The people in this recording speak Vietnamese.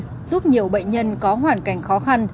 giúp nhiều bệnh nhân có hoàn cảnh khó khăn